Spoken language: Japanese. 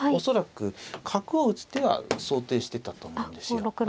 恐らく角を打つ手は想定してたと思うんですよ。